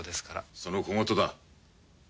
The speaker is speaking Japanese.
その小言だ。